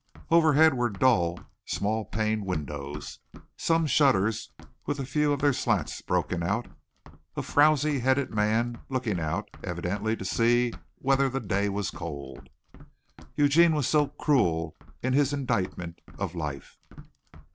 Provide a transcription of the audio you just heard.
Over head were dull small paned windows, some shutters with a few of their slats broken out, a frowsy headed man looking out evidently to see whether the day was cold. Eugene was so cruel in his indictment of life.